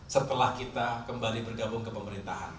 setelah kita kembali bergabung ke pemerintahan